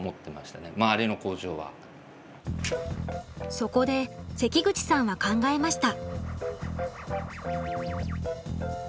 そこで関口さんは考えました。